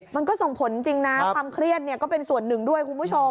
มันก็ส่งผลจริงนะความเครียดก็เป็นส่วนหนึ่งด้วยคุณผู้ชม